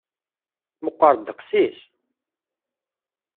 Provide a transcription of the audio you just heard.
Meqqer ddeqs-is?